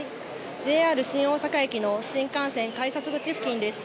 ＪＲ新大阪駅の新幹線改札口付近です。